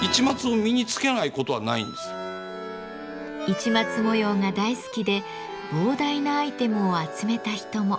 市松模様が大好きで膨大なアイテムを集めた人も。